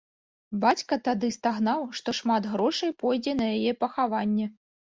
Бацька тады стагнаў, што шмат грошай пойдзе на яе пахаванне.